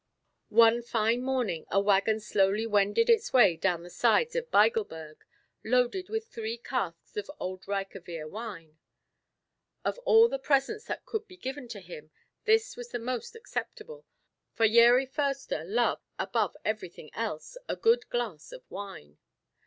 One fine morning a wagon slowly wended its way down the sides of Bigelberg loaded with three casks of old Rikevir wine. Of all the presents that could be given to him this was the most acceptable, for Yeri Foerster loved, above everything else, a good glass of wine.